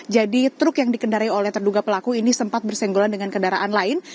jadi truk yang dikendarai oleh terduga pelaku ini sempat bersenggolan dengan kendaraan lain